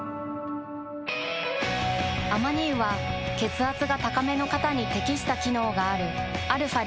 アマニ油は血圧が高めの方に適した機能があるαー